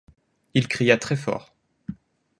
il cria très fort